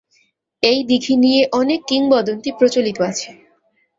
এই ‘দীঘি’ নিয়ে অনেক কিংবদন্তি প্রচলিত আছে।